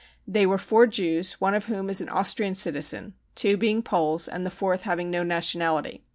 They were four Jews, one of whom is an Austrian citizen, two being Poles and the fourth having no nationality.